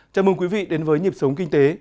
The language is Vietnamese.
chào mừng quý vị đến với nhịp sống kinh tế